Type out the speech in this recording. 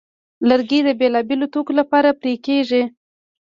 لرګی د بېلابېلو توکو لپاره پرې کېږي.